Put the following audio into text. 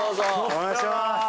お願いします。